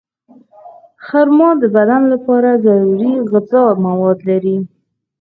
خرما د بدن لپاره ضروري غذایي مواد لري.